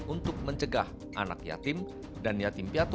untuk mencegah anak yatim dan yatim piatu